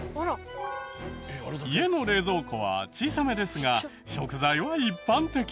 家の冷蔵庫は小さめですが食材は一般的。